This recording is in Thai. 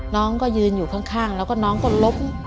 น้องก็ยืนอยู่ข้างแล้วก็น้องก็ล้ม